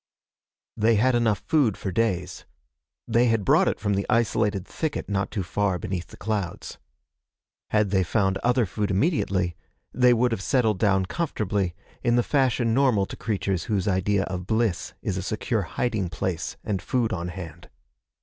They had enough food for days. They had brought it from the isolated thicket not too far beneath the clouds. Had they found other food immediately, they would have settled down comfortably, in the fashion normal to creatures whose idea of bliss is a secure hiding place and food on hand.